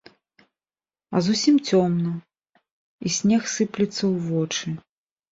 А зусім цёмна, і снег сыплецца ў вочы.